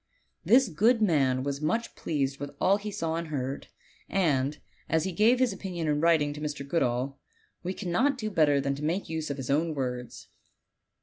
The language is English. This good man Avas much pleased with all he saw and heard; and, as he gave his opinion in writing to Mr. Goodall, wo 3annot do better than make use of his own words.